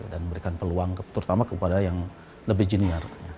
dan memberikan peluang terutama kepada yang lebih junior